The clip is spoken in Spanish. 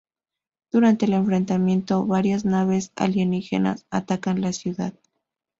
Durante el enfrentamiento, varias naves alienígenas atacan la ciudad.